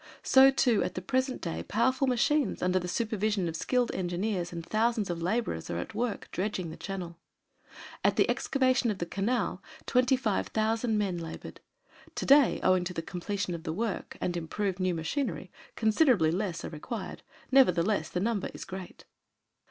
So, too, at the present day, powerful machines, under the supervision of skilled engineers, and thousands of laborers are at work, dredging the channel. At the excavation of the Canal, twenty five thousand men labored. To day, owing to the completion of the work and improved new machinery, considerably less are required. Nevertheless, the number is great.